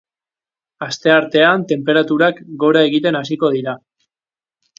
Asteartean tenperaturak gora egiten hasiko dira.